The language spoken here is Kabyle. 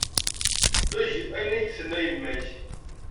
Eg ayen ay d-tenna yemma-k.